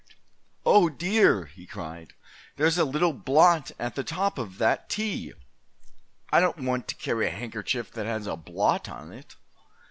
"Oh, dear," he cried, "there's a little blot at the top of that T! I don't want to carry a handkerchief that has a blot on it."